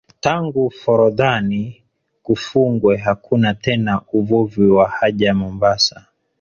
Tangu forodhani kufungwe hakuna tena uvuvi wa haja Mombasa